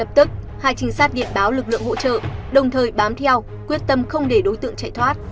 lập tức hai trinh sát điện báo lực lượng hỗ trợ đồng thời bám theo quyết tâm không để đối tượng chạy thoát